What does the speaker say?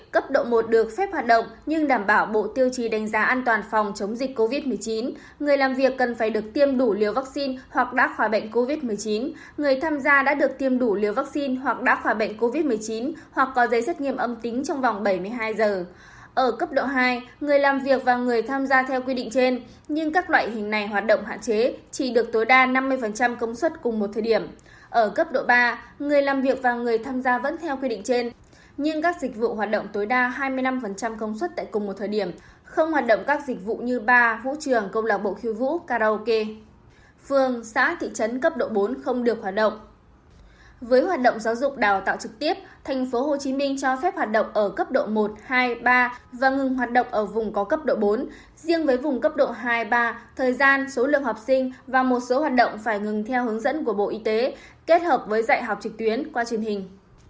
cấp độ một cấp độ hai hoạt động có điều kiện người tham gia phải được tiêm đủ liều vaccine hoặc đã khỏi bệnh đảm bảo bộ tiêu chí đánh giá an toàn phòng chống dịch covid một mươi chín cấp độ ba bốn không hoạt động